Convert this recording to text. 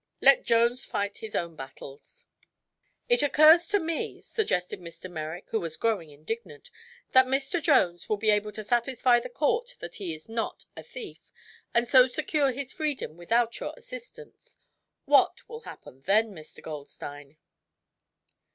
Let Jones fight his own battles." "It occurs to me," suggested Mr. Merrick, who was growing indignant, "that Mr. Jones will be able to satisfy the court that he is not a thief, and so secure his freedom without your assistance. What will happen then, Mr. Goldstein?"